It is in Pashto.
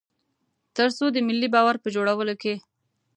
تر څو د ملي باور په جوړولو کې.